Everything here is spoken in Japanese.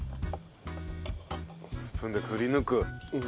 スプーンでくり抜く。